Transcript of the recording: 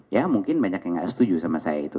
ya mungkin banyak yang nggak setuju sama saya itu